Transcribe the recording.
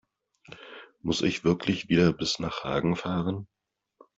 Muss ich wirklich wieder bis nach Hagen fahren?